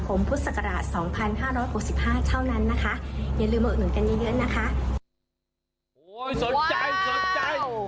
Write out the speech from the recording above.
โอ้โหสนใจ